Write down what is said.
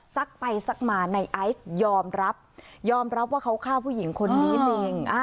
ไปซักมาในไอซ์ยอมรับยอมรับว่าเขาฆ่าผู้หญิงคนนี้จริง